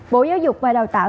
bộ giáo dục ngoại truyền thống